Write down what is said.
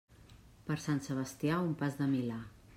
Per Sant Sebastià, un pas de milà.